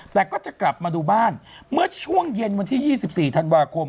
แต่ก็จะกลับมาดูบ้านเมื่อช่วงเย็นวันที่๒๔ธันวาคม